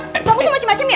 kamu tuh macem macem ya